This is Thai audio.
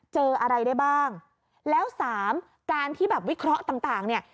เจออะไรได้บ้างแล้วสามการที่แบบวิเคราะห์ต่างต่างเนี่ย